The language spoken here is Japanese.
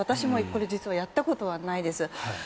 実はやったことないです。